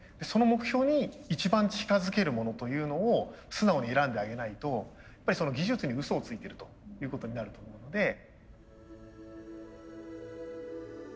その目標に一番近づけるものというのを素直に選んであげないとやっぱり技術にうそをついてるということになると思うので。